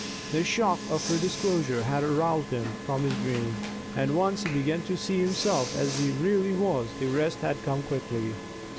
The shock of her disclosure had roused him from his dream, and once he began to see himself as he really was the rest had come quickly.